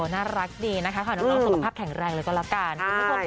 น่ารักดีนะคะขออนุญาตสุขภาพแข็งแรงเลยก็แล้วกัน